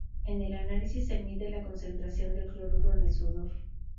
En el análisis se mide la concentración de cloruro en el sudor.